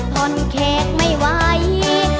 ผ่อนแขกไม่ไหว